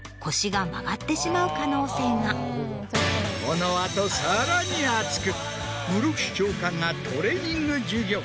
この後さらに熱く室伏長官がトレーニング授業。